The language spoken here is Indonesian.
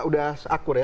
udah akur ya